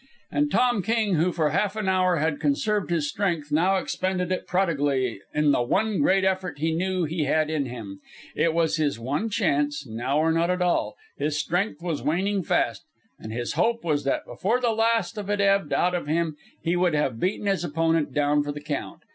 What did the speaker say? And Tom King, who for half an hour had conserved his strength, now expended it prodigally in the one great effort he knew he had in him. It was his one chance now or not at all. His strength was waning fast, and his hope was that before the last of it ebbed out of him he would have beaten his opponent down for the count.